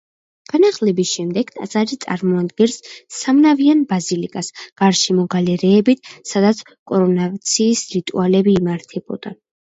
განახლების შემდეგ ტაძარი წარმოადგენდა სამნავიან ბაზილიკას, გარშემო გალერეებით, სადაც კორონაციის რიტუალები იმართებოდა.